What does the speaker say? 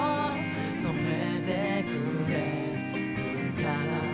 止めてくれるかな？